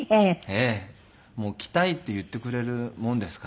ええ。来たいって言ってくれるもんですから。